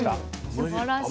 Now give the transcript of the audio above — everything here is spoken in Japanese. すばらしい。